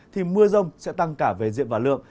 thì mưa rông sẽ tăng cả về diện và lượng